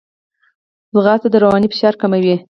منډه د رواني فشار کموي